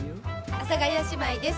阿佐ヶ谷姉妹です。